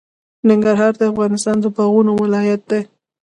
ننګرهار د افغانستان د باغونو ولایت دی.